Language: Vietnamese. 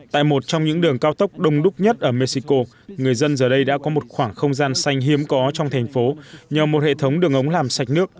tại một trong những đường cao tốc đông đúc nhất ở mexico người dân giờ đây đã có một khoảng không gian xanh hiếm có trong thành phố nhờ một hệ thống đường ống làm sạch nước